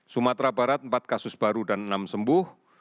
sumatera barat empat kasus baru dan enam sembuh